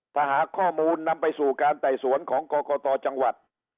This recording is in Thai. ถ้าหากข้อมูลนำไปสู่การไต่สวนของกรกตจังหวัด